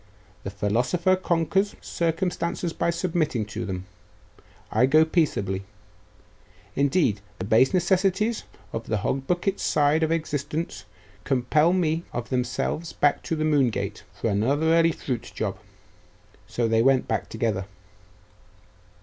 'The philosopher conquers circumstances by submitting to them. I go peaceably. Indeed, the base necessities of the hog bucket side of existence compel me of themselves back to the Moon gate, for another early fruit job.' So they went back together.